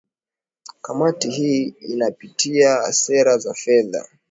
kamati hii inapitia sera za fedha